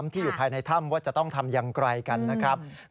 ที่อยู่ภายในถ้ำว่าจะต้องทำอย่างไรกันนะครับ